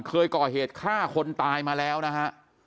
เคยก่อเหตุฆ่าคนตายมาแล้วนะฮะ